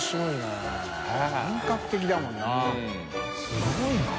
すごいな。